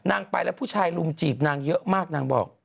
ไปแล้วผู้ชายลุมจีบนางเยอะมากนางบอก